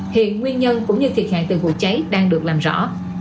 hiện nguyên nhân cũng như thiệt hại từ vụ cháy đang được làm rõ